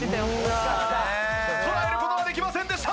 捉える事はできませんでした。